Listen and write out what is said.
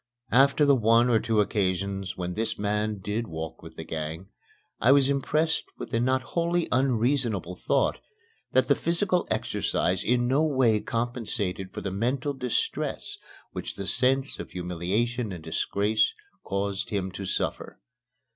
After the one or two occasions when this man did walk with the gang, I was impressed with the not wholly unreasonable thought that the physical exercise in no way compensated for the mental distress which the sense of humiliation and disgrace caused him to suffer.